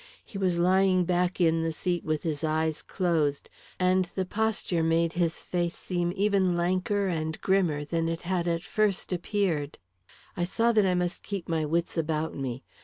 He was lying back in the seat with his eyes closed, and the posture made his face seem even lanker and grimmer than it had at first appeared. I saw that I must keep my wits about me.